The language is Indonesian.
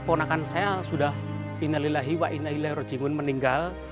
ponakan saya sudah innalillahi wa inna illa rojingun meninggal